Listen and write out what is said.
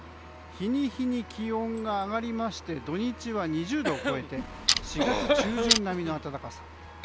日に日に気温が上がりまして土日は２０度を超えて４月中旬並みの暖かさ。